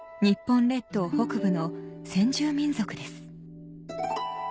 日本列島北部の先住民族です